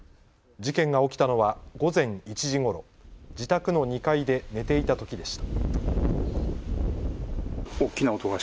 事件が起きたのは午前１時ごろ、自宅の２階で寝ていたときでした。